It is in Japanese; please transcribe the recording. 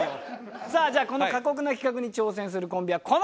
さあじゃあこの過酷な企画に挑戦するコンビはこの方々です。